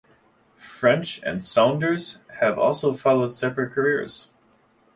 French and Saunders have also followed separate careers.